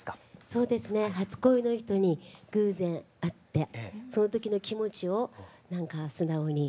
そうですね初恋の人に偶然会ってその時の気持ちをなんか素直に。